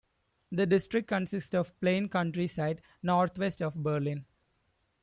The district consists of plain countryside northwest of Berlin.